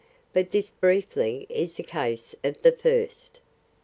But this briefly is the case of the first.